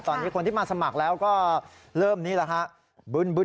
ตอนนี้คนที่มาสมัครแล้วก็เริ่มนี้แล้วฮะ